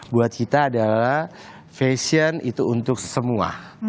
buat kita adalah fashion itu untuk semua